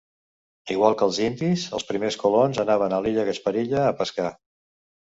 Igual que els indis, els primers colons anaven a l'illa Gasparilla a pescar.